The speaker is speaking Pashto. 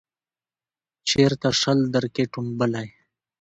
چیرته شل درکښې ټومبلی